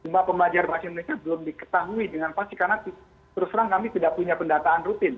mbak pembelajar bahasa indonesia belum diketahui dengan pasti karena terus terang kami tidak punya pendataan rutin